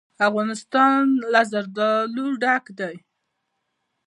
افغانستان له زردالو ډک دی.